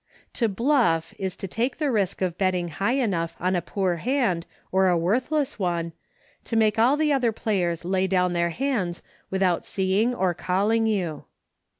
To "bluff" is to take the risk of betting high enough on a poor hand or a worthless one, to make all the other players lay down their hands without seeing or calling you.